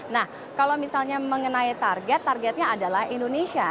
nah kalau misalnya mengenai target targetnya adalah indonesia